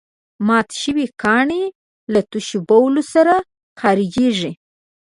مات شوي کاڼي له تشو بولو سره خارجېږي.